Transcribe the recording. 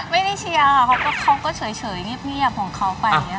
ไม่ได้เชียร์อ่ะเขาก็เฉยเงียบของเขาไป